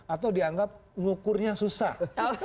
atau dianggap ngukurnya susah